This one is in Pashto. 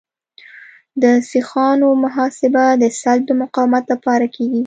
د سیخانو محاسبه د سلب د مقاومت لپاره کیږي